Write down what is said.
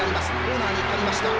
コーナーにかかりました。